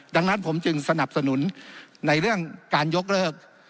ดังนั้นผมจึงสนับสนุนในเรื่องการยกเลิก